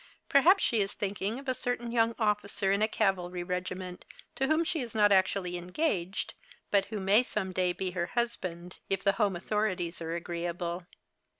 Perhaps she is thinking of a certain young officer in a cavalry regiment, to whom she is not actually engaged, but who may some dav be her husband, if the home authorities are agreeable.